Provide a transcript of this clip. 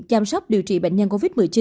chăm sóc điều trị bệnh nhân covid một mươi chín